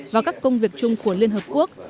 vào các công việc chung của liên hiệp quốc